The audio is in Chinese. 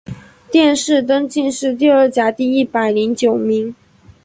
殿试登进士第二甲第一百零九名。